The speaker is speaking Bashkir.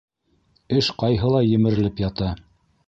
Эш ҡайһылай емерелеп ята.